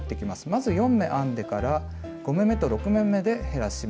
まず４目編んでから５目めと６目めで減らし目をします。